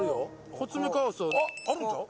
コツメカワウソあっあるんちゃう